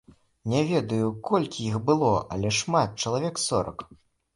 Не ведаю, колькі іх было, але шмат, чалавек сорак.